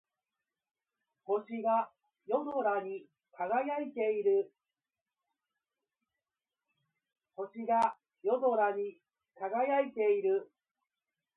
星が夜空に輝いている。